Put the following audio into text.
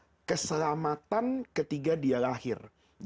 ada yang mengatakan bahwa alfitrah itu adalah islam